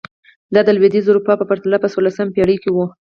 دا د لوېدیځې اروپا په پرتله په څوارلسمه پېړۍ کې و.